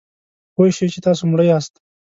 پوه شئ چې تاسو مړه یاست .